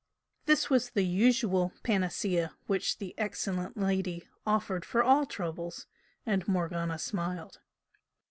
This was the usual panacea which the excellent lady offered for all troubles, and Morgana smiled.